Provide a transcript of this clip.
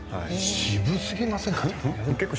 渋すぎませんか？